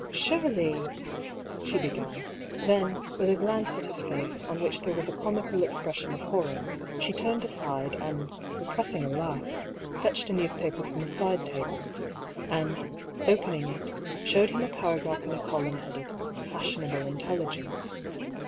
" Surely " she began ; then, with a glance at his face, on which there was a comical expression of horror, she turned aside and, repressing a laugh, fetched a newspaper from a side table, and, opening it, showed him a paragraph in a column headed '^Fashionable Intelligence."